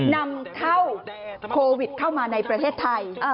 นำเข้าโควิดเข้ามาในประเทศไทย